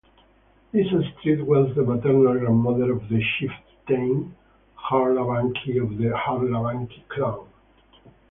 This Estrid was the maternal grandmother of the chieftain Jarlabanke of the Jarlabanke clan.